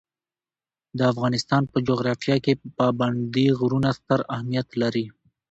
د افغانستان په جغرافیه کې پابندي غرونه ستر اهمیت لري.